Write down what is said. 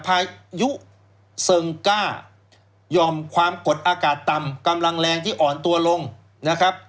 พายุเซิงก้ายอมความกดอากาศต่ำกำลังแรงที่อ่อนตัวลงนะครับ